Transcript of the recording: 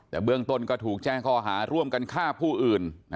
แต่เบื้องต้นก็ถูกแจ้งข้อหาร่วมกันฆ่าผู้อื่น